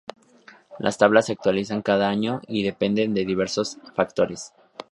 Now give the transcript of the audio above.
Las tablas se actualizan cada año y dependen de diversos factores.